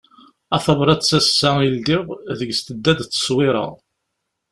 A tabrat assa i ldiɣ, deg-s tedda-d tteṣwira.